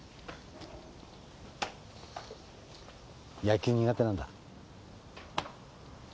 野球苦手なんだ？